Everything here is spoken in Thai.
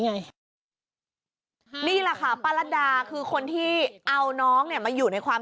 ไงนี่แหละค่ะป้ารัดดาคือคนที่เอาน้องเนี่ยมาอยู่ในความ